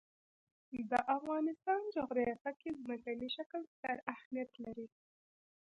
د افغانستان جغرافیه کې ځمکنی شکل ستر اهمیت لري.